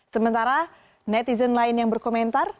sementara netizen lain yang berkomentar